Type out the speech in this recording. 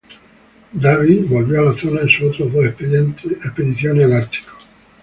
Davis volvió a la zona en sus otras dos expediciones al ártico.